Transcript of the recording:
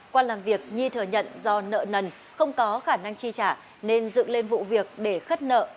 qua làm việc nhi thừa nhận do nợ nần không có khả năng chi trả nên dựng lên vụ việc để khất nợ